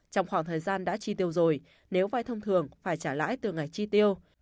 trong khoảng thời gian đã tri tiêu rồi nếu vai thông thường phải trả lãi từ ngày tri tiêu